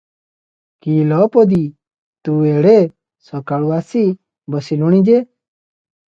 "କି ଲୋ ପଦୀ! ତୁ ଏଡେ ସକାଳୁ ଆସି ବସିଲୁଣି ଯେ?"